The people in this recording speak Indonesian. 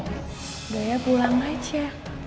udah ya pulang aja